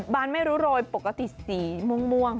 บานไม่รู้โรยปกติสีม่วง